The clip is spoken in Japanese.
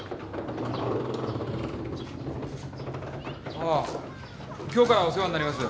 あぁ今日からお世話になります。